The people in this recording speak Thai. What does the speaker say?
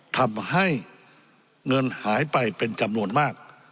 ทำให้เงินหายไปเป็นจำนวนมาก